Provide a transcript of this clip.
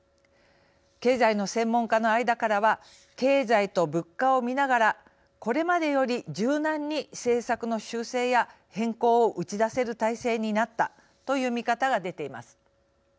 経済の専門家の間からは経済と物価をみながらこれまでより柔軟に政策の修正や変更を打ち出せる体制になったという見方が出ています。